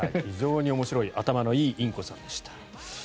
非常に面白い頭のいいインコさんでした。